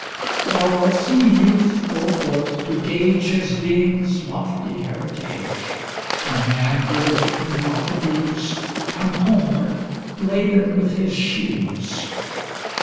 Thou wilt see youth go forth to gauge His being's lofty heritage, And manhood in the autumn eves Come homeward laden with his sheaves.